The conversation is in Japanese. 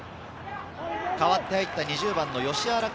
代わった入った２０番の吉荒開